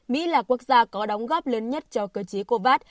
mỹ là quốc gia có đóng góp lớn nhất cho cơ chế covax